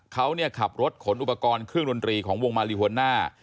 เขาขับรถขนอุปกรณ์เครื่องดนตรีของวงมาลีหัวหน้า